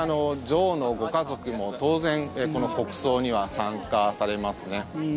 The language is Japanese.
女王のご家族も当然、この国葬には参加されますね。